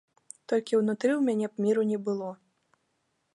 Толькі ўнутры ў мяне б міру не было.